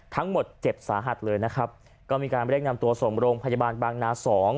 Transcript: ทั้งหมดเจ็บสาหัสเลยนะครับก็มีการเร่งนำตัวส่งโรงพยาบาลบางนาสอง